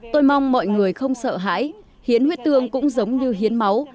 tôi mong mọi người không sợ hãi hiến huyết tương cũng giống như hiến máu